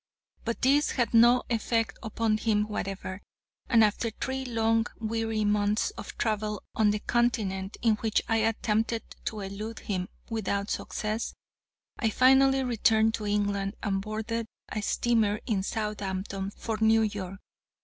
But this had no effect upon him whatever, and after three long, weary months of travel on the continent, in which I attempted to elude him, without success, I finally returned to England and boarded a steamer at Southampton for New York.